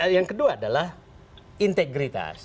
yang kedua adalah integritas